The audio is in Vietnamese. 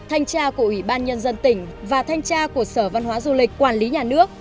thanh tra của ủy ban nhân dân tỉnh và thanh tra của sở văn hóa du lịch quản lý nhà nước